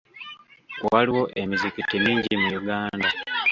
Waliwo emizikiti mingi mu Uganda .